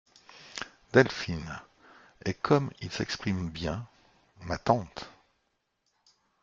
Delphine Et comme ils s'expriment bien, ma tante !